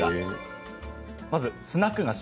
まずスナック菓子。